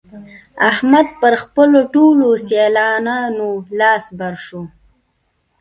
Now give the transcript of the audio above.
احمد پر خپلو ټولو سيالانو لاس بر شو.